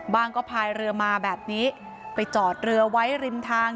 ก็พายเรือมาแบบนี้ไปจอดเรือไว้ริมทาง